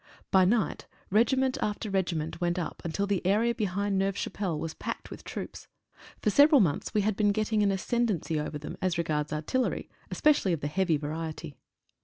By right regiment after regiment went up until the area behind Neuve Chapelle was packed with troops. For several months we had been getting an ascendency over them as regards artillery, especially of the heavy variety.